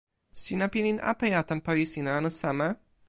sina pilin apeja tan pali sina anu seme?